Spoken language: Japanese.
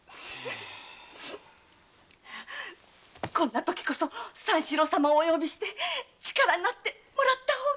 こんな時こそ三四郎様に力になってもらった方が。